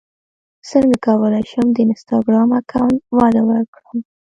څنګه کولی شم د انسټاګرام اکاونټ وده ورکړم